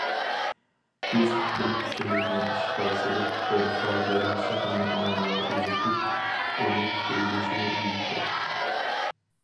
بىز پۈتۈن كۈچىمىزنى ئىشقا سېلىپ، بىر تال دەرەخ شېخىنى ئۇنىڭغا ئۇزىتىپ، ئۇنى تۇتۇۋېلىشنى ئېيتتۇق.